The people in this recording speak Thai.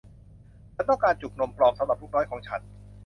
ฉันต้องการจุกนมปลอมสำหรับลูกน้อยของฉัน